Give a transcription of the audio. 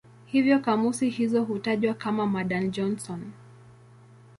Hivyo kamusi hizo hutajwa kama "Madan-Johnson".